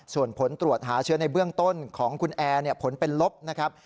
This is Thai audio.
ส่วนผลตรวจหาเชื้อในเบื้องต้นของคุณแอร์ผลเป็นลบนะครับ